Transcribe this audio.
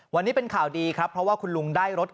วันนี้เป็นข่าวดีครับเพราะว่าคุณลุงได้รถ